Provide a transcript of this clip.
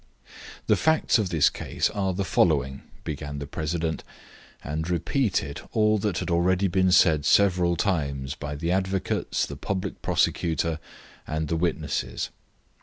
"The facts of this case are the following," began the president, and repeated all that had already been said several times by the advocates, the public prosecutor and the witnesses.